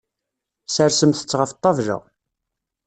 Sersemt-tt ɣef ṭṭabla.